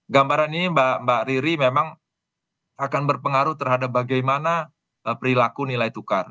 gambaran ini mbak riri memang akan berpengaruh terhadap bagaimana perilaku nilai tukar